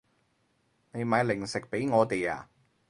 你買零食畀我哋啊